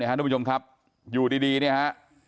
ท่านผู้ชมครับอยู่ดีเนี่ยฮะ